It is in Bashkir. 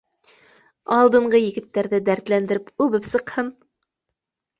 — Алдынғы егеттәрҙе дәртләндереп, үбеп сыҡһын